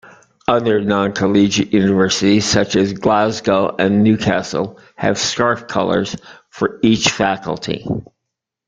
Other non-collegiate universities such as Glasgow and Newcastle have scarf colors for each faculty.